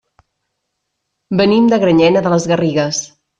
Venim de Granyena de les Garrigues.